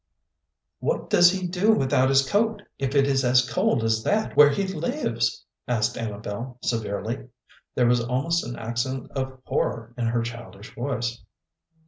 "What does he do without his coat if it is as cold as that where he lives?" asked Amabel, severely. There was almost an accent of horror in her childish voice.